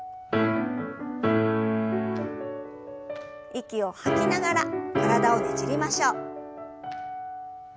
息を吐きながら体をねじりましょう。